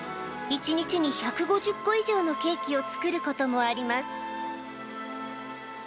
１日に１５０個以上のケーキを作ることもあります。